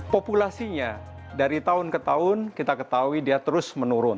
populasinya dari tahun ke tahun kita ketahui dia terus menurun